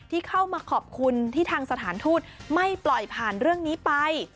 ที่เข้ามาขอบคุณที่ทางสถานทูตไม่ปล่อยผ่านเรื่องนี้ไป